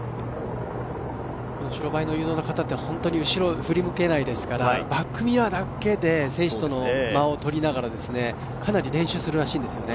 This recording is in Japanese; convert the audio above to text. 白バイの誘導の方って後ろを振り向けないですからバックミラーだけで選手との間を取りながらかなり練習するらしいんですよね。